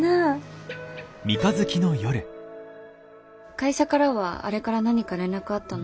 会社からはあれから何か連絡あったの？